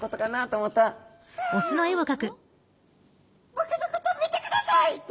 「僕のこと見てください！」と。